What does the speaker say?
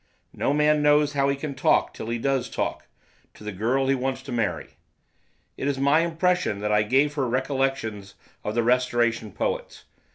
No man knows how he can talk till he does talk, to the girl he wants to marry. It is my impression that I gave her recollections of the Restoration poets.